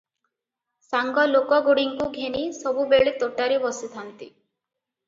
ସାଙ୍ଗ ଲୋକଗୁଡ଼ିଙ୍କୁ ଘେନି ସବୁବେଳେ ତୋଟାରେ ବସିଥାନ୍ତି ।